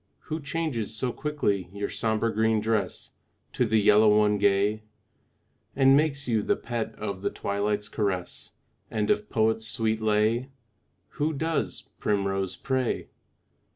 Who changes so quickly your sombre green dress To the yellow one gay, And makes you the pet of the twilight's caress, And of poet's sweet lay? Who does, primrose, pray?